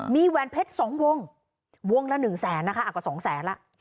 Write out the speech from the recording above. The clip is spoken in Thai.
มีแหวนเพชร๒วงวงละ๑แสนนะคะกว่า๒แสนละ